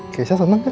kayaknya seneng gak